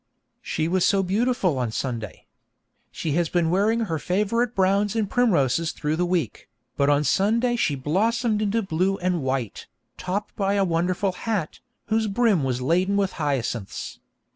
She was so beautiful on Sunday. She has been wearing her favourite browns and primroses through the week, but on Sunday she blossomed into blue and white, topped by a wonderful hat, whose brim was laden with hyacinths.